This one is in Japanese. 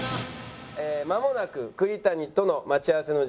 まもなく栗谷との待ち合わせの時間です。